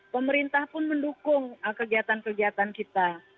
pemerintah pun mendukung kegiatan kegiatan kita